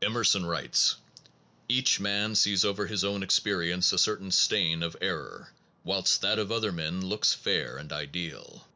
Emerson writes : Each man sees over his own experience a certain stain of error, whilst that of other men looks fair and ideal.